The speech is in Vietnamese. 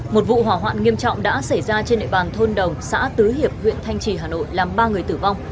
một vụ hỏa hoạn nghiêm trọng đã xảy ra trên địa bàn thôn đồng xã tứ hiệp huyện thanh trì hà nội làm ba người tử vong